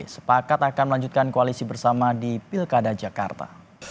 sepakat akan melanjutkan koalisi bersama di pilkada jakarta